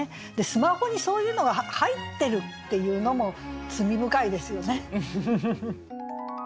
スマホにそういうのが入ってるっていうのも罪深いですよね。